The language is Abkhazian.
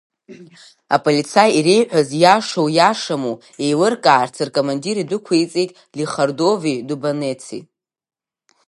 Аполицаи иреиҳәаз иашоу, иашаму еилыркаарц, ркомандир идәықәиҵеит Лихардови Дубанеци.